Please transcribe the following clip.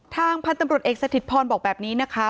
ทางพันธุ์ตำรวจเอกสถิตพรบอกแบบนี้นะคะ